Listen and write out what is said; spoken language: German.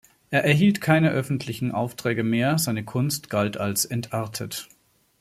Er erhielt keine öffentlichen Aufträge mehr, seine Kunst galt als entartet.